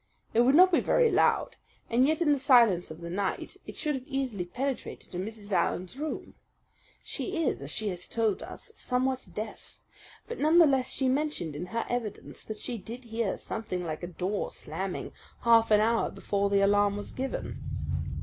It would not be very loud, and yet in the silence of the night it should have easily penetrated to Mrs. Allen's room. She is, as she has told us, somewhat deaf; but none the less she mentioned in her evidence that she did hear something like a door slamming half an hour before the alarm was given.